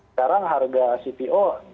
sekarang harga cpo